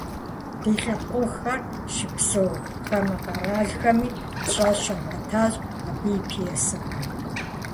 Ди лъэпкъэгъухэр щыпсэу хамэ къэралхэми пщӏэ щагъуэтащ абы и пьесэхэм.